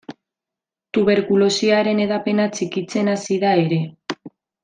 Tuberkulosiaren hedapena txikitzen hasi da ere.